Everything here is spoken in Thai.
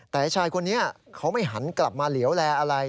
แต่ชายคนนี้เขาไม่หันกลับมาเหลียวแลอะไร